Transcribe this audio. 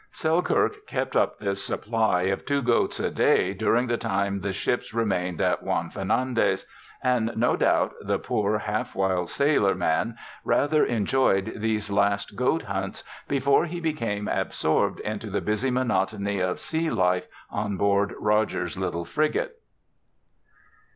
Selkirk kept up this supply, of two goats a day, during the time the ships re mained at Juan Fernandez ; and no doubt the poor half wild sailor man rather enjoyed these last goat hunts before he bec^une absorbed into the busy monotony of sea life on board Rogers' little frigate.